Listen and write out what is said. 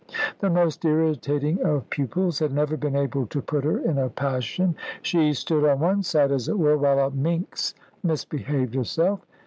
The most irritating of pupils had never been able to put her in a passion. She stood on one side, as it were, while a minx misbehaved herself.